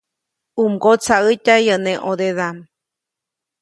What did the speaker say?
U mgotsaʼätya yäʼ neʼ ʼõdedaʼm.